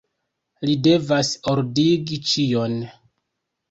Li devas ordigi ĉion.